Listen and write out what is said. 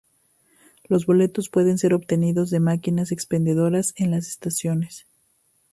Los boletos pueden ser obtenidos de máquinas expendedoras en las estaciones.